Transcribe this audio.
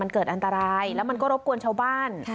มันเกิดอันตรายแล้วมันก็รบกวนชาวบ้าน